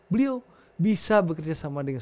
beliau bisa bekerjasama dengan